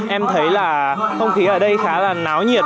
em thấy là không khí ở đây khá là náo nhiệt